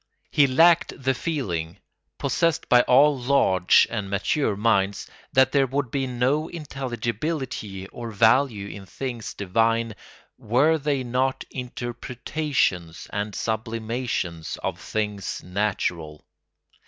He lacked the feeling, possessed by all large and mature minds, that there would be no intelligibility or value in things divine were they not interpretations and sublimations of things natural.